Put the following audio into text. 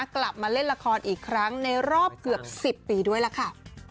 กลับมาเล่นละครอีกครั้งในรอบเกือบ๑๐ปีด้วยล่ะค่ะ